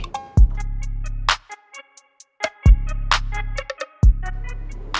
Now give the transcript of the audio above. tapi gue rasa kerupuk kulit pasti masih keki sama gue